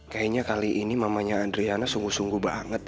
kayaknya kali ini mamanya adriana sungguh sungguh banget deh